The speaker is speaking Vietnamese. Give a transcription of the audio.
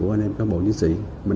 mấy anh công an bình dương